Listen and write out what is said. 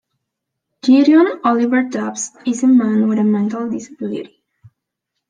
Gideon Oliver Dobbs is a man with a mental disability.